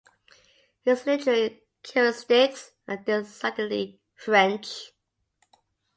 His literary characteristics are decidedly French.